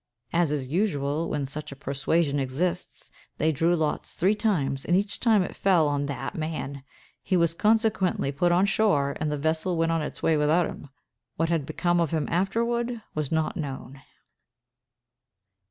As is usual, when such a persuasion exists, they drew lots three times, and each time it fell on that man! He was consequently put on shore, and the vessel went on its way without him. What had become of him afterward was not known.